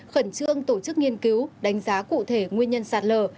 khẩn trương tổ chức nghiên cứu đánh giá cụ thể nguyên nhân sạt lở